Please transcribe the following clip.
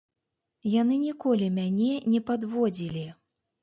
Яны ніколі мяне не падводзілі.